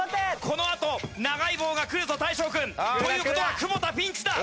このあと長い棒がくるぞ大昇君。という事は久保田ピンチだ！